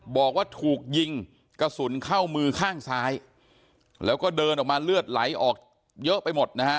บอกว่าถูกยิงกระสุนเข้ามือข้างซ้ายแล้วก็เดินออกมาเลือดไหลออกเยอะไปหมดนะฮะ